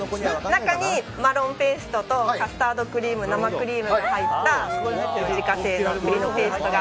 中にマロンペーストとカスタードクリーム生クリームが入った自家製の栗のペーストが。